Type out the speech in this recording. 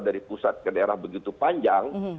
dari pusat ke daerah begitu panjang